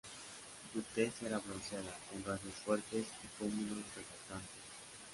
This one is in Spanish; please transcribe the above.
Su tez era bronceada, con rasgos fuertes y pómulos resaltantes.